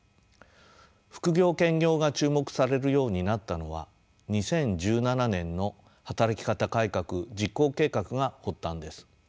副業・兼業が注目されるようになったのは２０１７年の働き方改革実行計画が発端です。